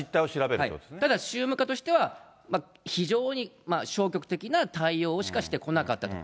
ただ宗務課としては、非常に消極的な対応しかしてこなかったと。